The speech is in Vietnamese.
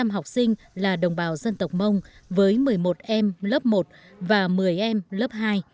một mươi năm học sinh là đồng bào dân tộc mông với một mươi một em lớp một và một mươi em lớp hai